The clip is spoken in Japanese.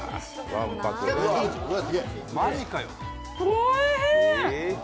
おいしい。